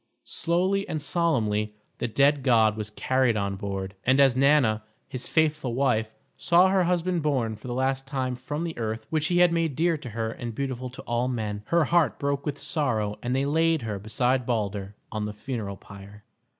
Slowly and solemnly the dead god was carried on board, and as Nanna, his faithful wife, saw her husband borne for the last time from the earth which he had made dear to her and beautiful to all men, her heart broke with sorrow, and they laid her beside Balder on the funeral pyre.